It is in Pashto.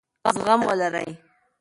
زغم ولرئ.